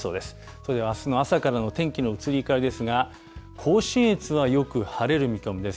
それではあすの朝からの天気の移り変わりですが、甲信越はよく晴れる見込みです。